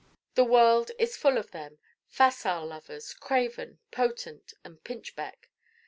The world is full of them facile Lovers, craven, potent and pinchbeck.